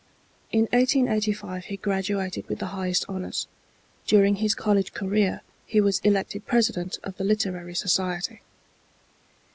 In 1885 he graduated with the highest honors. During his college career he was elected president of the literary society.